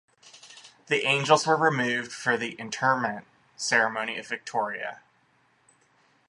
The angels were removed for the interment ceremony of Victoria.